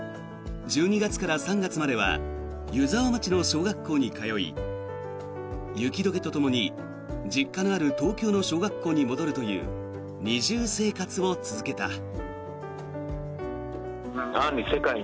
１２月から３月までは湯沢町の小学校に通い雪解けとともに、実家のある東京の小学校に戻るという二重生活を続けた。